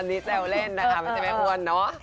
อันนี้แซวเล่นนะคะไม่ใช่แม่อ้วนเนอะ